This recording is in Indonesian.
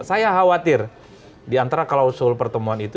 saya khawatir di antara kalau usul pertemuan itu